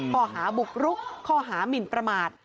ข้อหาบุกรุกข้อหามินประมาท